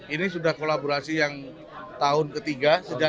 ini sudah kolaborasi yang tahun ketiga sejak dua ribu dua puluh satu